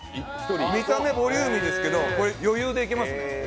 見た目ボリューミーだけど、余裕でいけます。